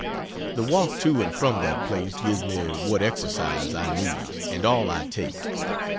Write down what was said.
The walk to and from that place gives me what exercise I need, and all I take.